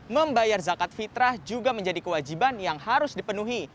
membayar zakat fitrah juga menjadi kewajiban yang harus dipenuhi